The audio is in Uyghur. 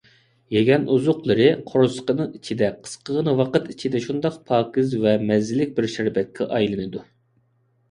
يېگەن ئوزۇقلىرى قورسىقىنىڭ ئىچىدە قىسقىغىنە ۋاقىت ئىچىدە شۇنداق پاكىز ۋە مەززىلىك بىر شەربەتكە ئايلىنىدۇ.